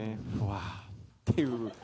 っていう。